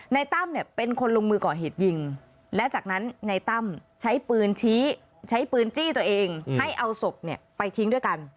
ตั้มเนี่ยเป็นคนลงมือก่อเหตุยิงและจากนั้นนายตั้มใช้ปืนชี้ใช้ปืนจี้ตัวเองให้เอาศพไปทิ้งด้วยกัน